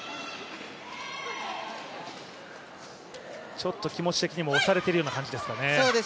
ちょっと気持ち的にも押されてるような感じですかね。